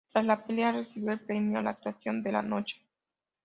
Tras la pelea, recibió el premio a la "Actuación de la Noche".